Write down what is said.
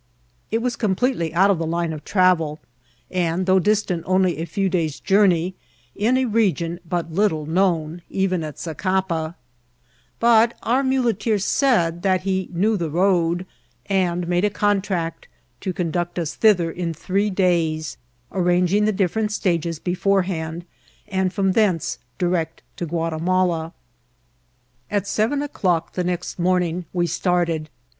It was com* pletely out of the line of travel, and, though distant only a few days' journey, in a region of country but little known, even at Zacapa ; but our muleteer said that he knew the road, and mad^ a contract to conduct us thith er in three days, arranging the different stages before hand, and from thence direct to Guatimala. At seven o'clock the next morning we started.